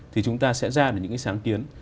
thì chúng ta sẽ ra những cái sáng kiến